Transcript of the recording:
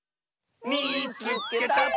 「みいつけた！」。